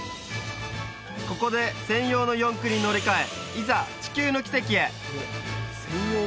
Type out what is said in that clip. ここで専用の四駆に乗り換えいざ地球の奇跡へ！